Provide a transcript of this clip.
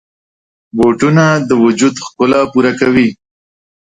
بوټونه د وجود ښکلا پوره کوي.